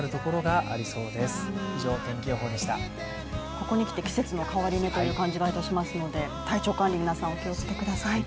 ここに来て季節の変わり目という感じがいたしますので体調管理、皆さん、お気をつけください。